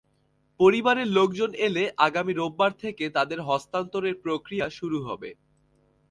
পরিবারের লোকজন এলে আগামী রোববার থেকে তাদের হস্তান্তরের প্রক্রিয়া শুরু হবে।